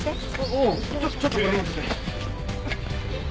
うんちょっとこれ持ってて。